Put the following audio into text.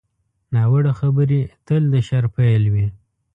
ناوړه خبرې تل د شر پیل وي